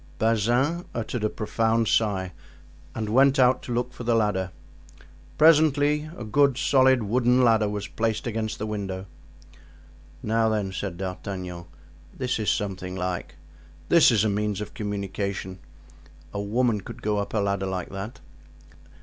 Bazin uttered a profound sigh and went out to look for the ladder. Presently a good, solid, wooden ladder was placed against the window. "Now then," said D'Artagnan, "this is something like; this is a means of communication. A woman could go up a ladder like that."